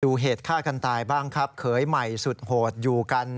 เหตุฆ่ากันตายบ้างครับเขยใหม่สุดโหดอยู่กัน